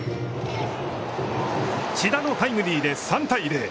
千田のタイムリーで３対０。